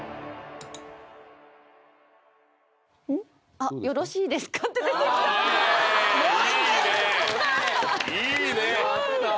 あっ「よろしいですか？」って出てきたいいねいいねちょっと！